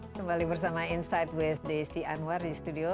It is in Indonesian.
kembali bersama insight with desi anwar di studio